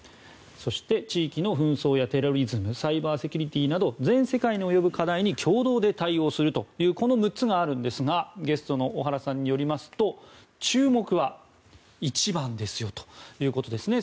そして、地域の紛争やテロリズムサイバーセキュリティーなど全世界に及ぶ課題に共同で対応するというこの６つがありますがゲストの小原さんによりますと注目は１番ですよということですね。